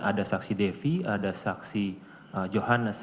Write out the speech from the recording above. ada saksi devi ada saksi johannes